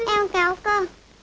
em kéo cơ